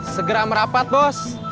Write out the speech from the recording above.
segera merapat bos